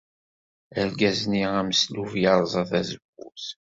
Argaz-nni ameslub yerẓa tazewwut.